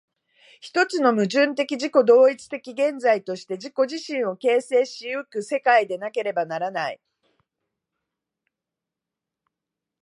一つの矛盾的自己同一的現在として自己自身を形成し行く世界でなければならない。